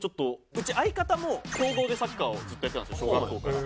うち相方も強豪でサッカーをずっとやってたんですよ小学校から。